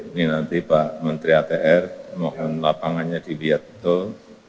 ini nanti pak menteri atr mohon lapangannya dilihat betul